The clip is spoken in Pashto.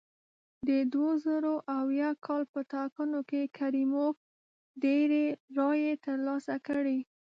د دوه زره اووه کال په ټاکنو کې کریموف ډېرې رایې ترلاسه کړې.